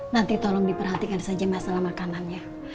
nanti tolong diperhatikan saja masalah makanannya